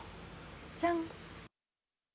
じゃん。